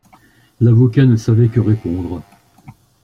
L'avocat ne savait que répondre.